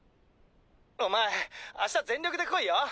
お前明日全力で来いよ。